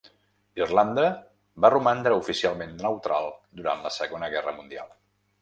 Irlanda va romandre oficialment neutral durant la Segona Guerra Mundial.